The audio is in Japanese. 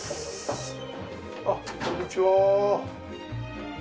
あっこんにちは。